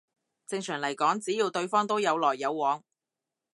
正常嚟講只要對方都有來有往